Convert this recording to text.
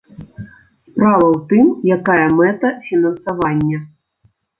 Справа ў тым, якая мэта фінансавання.